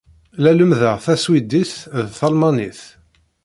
La lemmdeɣ taswidit ed talmanit.